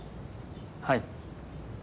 はい。